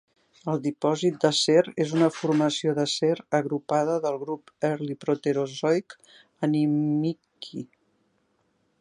El dipòsit d'acer és una formació d'acer agrupada del grup Early Proterozoic Animikie.